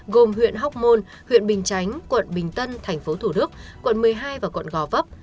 gồm huyện hóc môn huyện bình chánh quận bình tân tp thủ đức quận một mươi hai và quận gò vấp